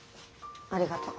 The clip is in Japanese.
ありがとう。